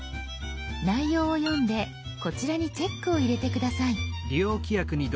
内容を読んでこちらにチェックを入れて下さい。